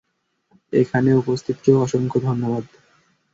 এখানে উপস্থিত কেউ অসংখ্য ধন্যবাদ।